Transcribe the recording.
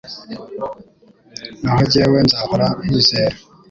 Naho jyewe nzahora nkwizera